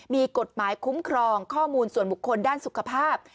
มีกฎหมายคุ้มครองข้อมูลส่วนบุคคลด้านสุขภาพ